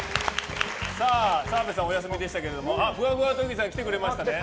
澤部さんがお休みでしたけどもふわふわ特技さんが来てくれましたね。